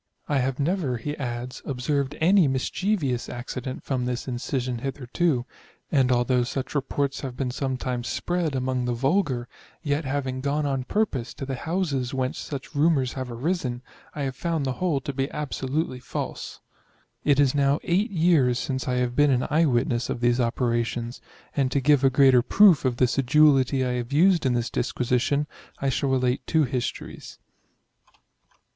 I have never (he adds) observed any mischievous accident from this incision hitherto; and although such re VOL. XXIX.] PHILOSOPHICAL TKANSACTlOxVS. Ql ports have been sometimes spread among the vulgar, yet having gone on pur pose to the houses whence such rumors have arisen, I have found the whole to be absolutely false. It is now 8 years since I have been an eye witness of these operations ; and to give a greater proof of the sedulity I have used in this dis quisition, I shall relate 2 histories.